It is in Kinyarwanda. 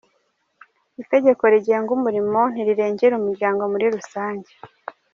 Itegeko rigenga umurimo ntirirengera umuryango muri rusange.